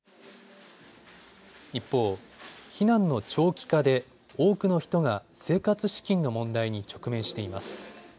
一方、避難の長期化で多くの人が生活資金の問題に直面しています。